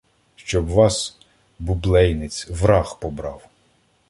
Щоб вас, бублейниць, враг побрав!